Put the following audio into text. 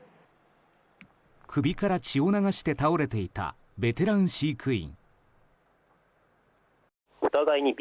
首から血を流して倒れていたベテラン飼育員。